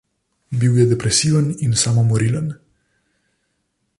Bil je depresiven in samomorilen.